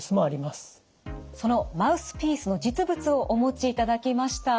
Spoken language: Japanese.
そのマウスピースの実物をお持ちいただきました。